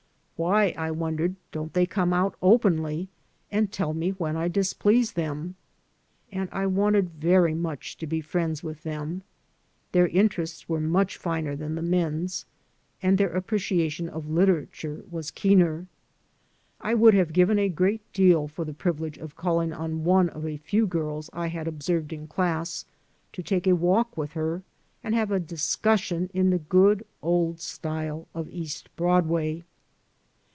Why, I wondered, don't they come out openly and tell me when I displease them? And I wanted very much to be friends with them. Their interests were much finer than the men's, and their appreciation of literature was keener. I woidd have given a great deal for the privilege of calling on one of a few girls I had observed in class, to take a walk with her, and have a discussion in the good old style of East Broadway.